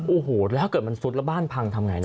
โอ้โหแล้วถ้าเกิดมันซุดแล้วบ้านพังทำไงนะ